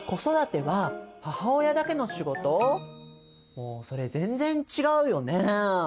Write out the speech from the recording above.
もうそれ全然違うよね。